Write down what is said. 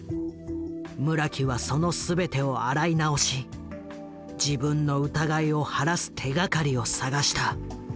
村木はその全てを洗い直し自分の疑いを晴らす手がかりを探した。